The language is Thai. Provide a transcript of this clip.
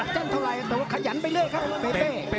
แต่ว่าขยันไปเรื่อยครับเบเฟ่